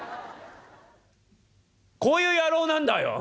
「こういう野郎なんだよ！